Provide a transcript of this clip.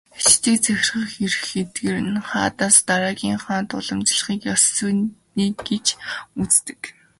Хятадыг захирах эрх эдгээр хаадаас дараагийн хаанд уламжлахыг "зүй ёсны" гэж үздэг.